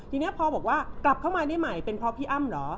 ทีนี้พอบอกว่ากลับเข้ามาได้ใหม่เป็นเพราะพี่อ้ำเหรอ